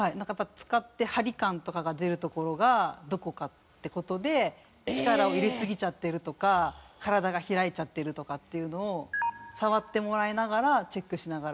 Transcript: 使って張り感とかが出る所がどこか？って事で力を入れすぎちゃってるとか体が開いちゃってるとかっていうのを触ってもらいながらチェックしながら。